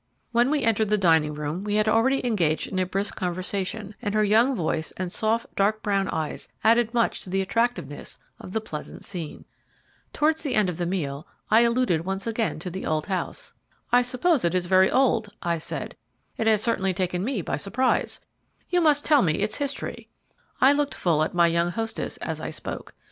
When we entered the dining room we had already engaged in a brisk conversation, and her young voice and soft, dark brown eyes added much to the attractiveness of the pleasant scene. Towards the end of the meal I alluded once again to the old house. "I suppose it is very old," I said; "it has certainly taken me by surprise you must tell me its history." I looked full at my young hostess as I spoke.